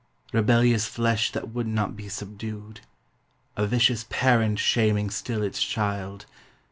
Rebellious flesh that would not be subdued, A vicious parent shaming still its child.